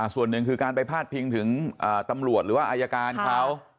ส่วนหนึ่งคือการไปพาดพิงถึงตำรวจหรือว่าอายการเขา